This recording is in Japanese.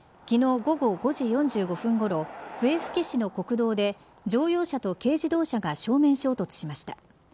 昨日、午後５時４５分ごろ笛吹市の国道で乗用車と軽自動車が正面衝突しました。